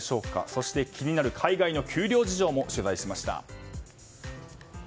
そして、気になる海外の給料事情も取材しました。